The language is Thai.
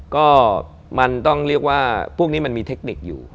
ก็มันต้องเรียกว่าพวกนี้มันมีเทคนิคอยู่